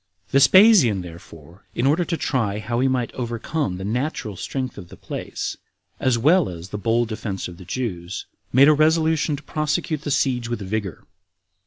8. Vespasian, therefore, in order to try how he might overcome the natural strength of the place, as well as the bold defense of the Jews, made a resolution to prosecute the siege with vigor.